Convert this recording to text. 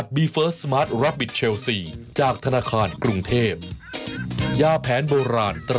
ขาวใส่ไข่สดใหม่อ้าวร้อนร้อนไข่เยอะนั่นแหละ